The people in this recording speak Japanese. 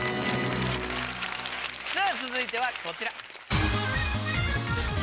さぁ続いてはこちら。